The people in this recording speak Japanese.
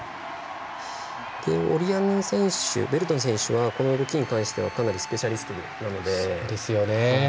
ベルトン選手はこの動きに関しては、かなりスペシャリストなので。